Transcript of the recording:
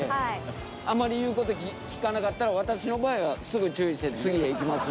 あまり言うこと聞かなかったら私の場合はすぐ注意して次へ行きます。